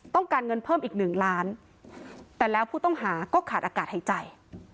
ต้องการเงินเพิ่มอีกหนึ่งล้านแต่แล้วผู้ต้องหาก็ขาดอากาศหายใจ